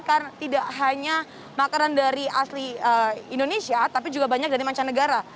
karena tidak hanya makanan dari asli indonesia tapi juga banyak dari macam negara